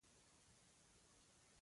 هره ورځ دوه لیتره اوبه وڅښئ ګټورې دي.